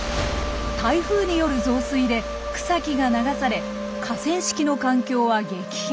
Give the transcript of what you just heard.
台風による増水で草木が流され河川敷の環境は激変。